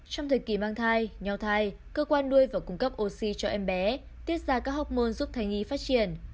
trong thời kỳ mang thai nhau thai cơ quan đuôi và cung cấp oxy cho em bé tiết ra các học môn giúp thai nghi phát triển